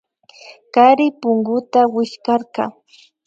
Kari punguta wichkarka